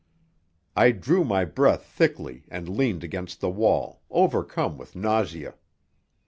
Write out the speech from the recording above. I drew my breath thickly and leaned against the wall, overcome with nausea.